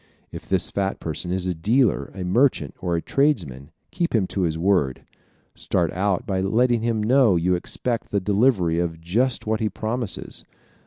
If this fat person is a dealer, a merchant or a tradesman keep him to his word. Start out by letting him know you expect the delivery of just what he promises.